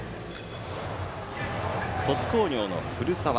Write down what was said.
鳥栖工業の古澤。